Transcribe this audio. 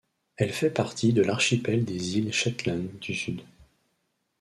Elle fait partie de l’archipel des îles Shetland du Sud.